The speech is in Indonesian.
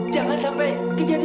jangan sampai kejadian terulang